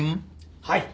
はい。